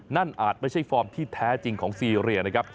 อาจไม่ใช่ฟอร์มที่แท้จริงของซีเรียนะครับ